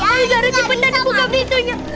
aizara cepetan buka pintunya